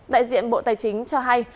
đại diện bộ tài chính cho hay